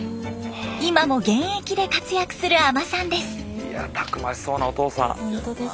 今も現役で活躍する海人さんです。